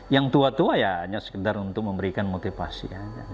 yang tua tua ya hanya sekedar untuk memberikan motivasi